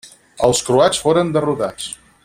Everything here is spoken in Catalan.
Els croats foren derrotats.